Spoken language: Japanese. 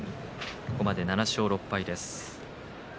ここまで７勝６敗です。